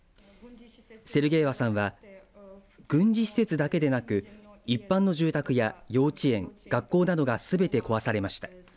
セルゲエワさんは軍事施設だけでなく一般の住宅や幼稚園、学校などがすべて壊されました。